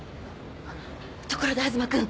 ところで東くん。